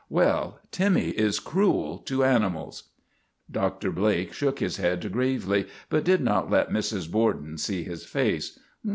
'" Well, Timmy is cruel to animals." Dr. Blake shook his head gravely, but did not let Mrs. Borden see his face.